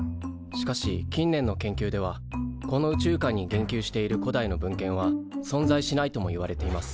しかし近年の研究ではこの宇宙観に言及している古代の文献は存在しないともいわれています。